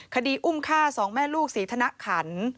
คดีอุ้มฆ่าสองแม่ลูกศรีธนขัน